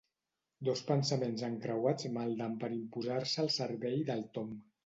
Dos pensaments encreuats malden per imposar-se al cervell del Tom.